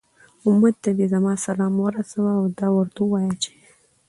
أمت ته دي زما سلام ورسوه، او دا ورته ووايه چې